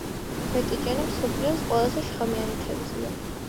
მეჭეჭიანა მსოფლიოს ყველაზე შხამიანი თევზია.